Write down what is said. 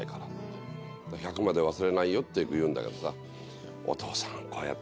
１００まで忘れないよってよく言うんだけどさ。